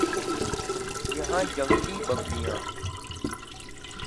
یہاں جنگلی بکریاں